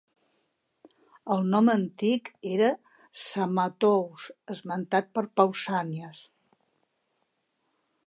El nom antic era Psamathous, esmentat per Pausànies.